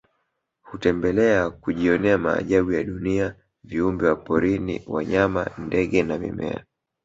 Hutembelea kujionea maajabu ya dunia viumbe wa porini wanyama ndege na mimea